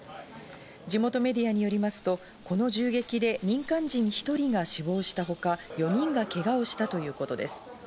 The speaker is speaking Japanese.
地元メディアによりますと、この銃撃で民間人１人が死亡したほか、４人がけがをしたということです。